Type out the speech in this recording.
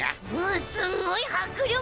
んすごいはくりょく！